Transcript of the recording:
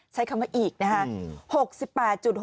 ใช้คำว่าอีกนะคะ